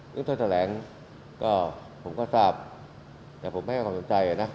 ท่านแถลงก็ผมก็ทราบแต่ผมไม่ให้ความสนใจนะ